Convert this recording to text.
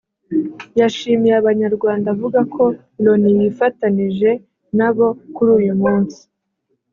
yashimiye abanyarwanda avuga ko Loni yifatanije na bo kuri uyu munsi